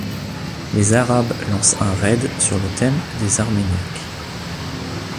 Les Arabes lancent un raid sur le thème des Arméniaques.